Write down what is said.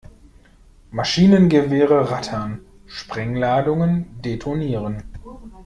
Maschinengewehre rattern, Sprengladungen detonieren.